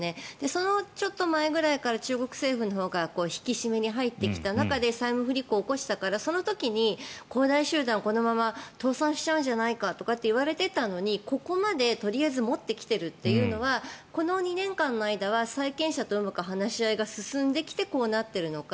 そのちょっと前ぐらいから中国政府のほうが引き締めに入ってきた中で債務不履行を起こしたからその時に恒大集団、このまま倒産しちゃうんじゃないかっていわれていたのにここまでとりあえず持ってきているというのはこの２年間の間は債権者とうまく話し合いが進んできてこうなっているのか。